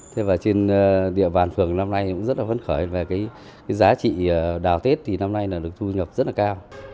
thế và trên địa bàn phường năm nay thì cũng rất là phấn khởi về cái giá trị đào tết thì năm nay là được thu nhập rất là cao